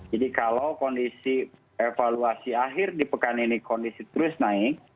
jadi kalau kondisi evaluasi akhir di pekan ini kondisi terus naik